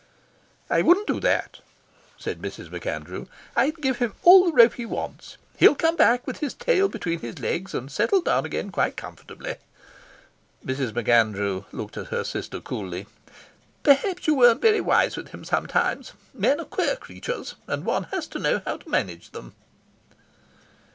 "I wouldn't do that," said Mrs. MacAndrew. "I'd give him all the rope he wants. He'll come back with his tail between his legs and settle down again quite comfortably." Mrs. MacAndrew looked at her sister coolly. "Perhaps you weren't very wise with him sometimes. Men are queer creatures, and one has to know how to manage them."